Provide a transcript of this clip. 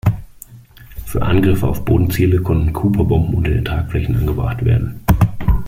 Für Angriffe auf Bodenziele konnten Cooper-Bomben unter den Tragflächen angebracht werden.